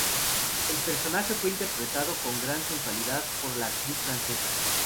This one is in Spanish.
El personaje fue interpretado con gran sensualidad por la actriz francesa.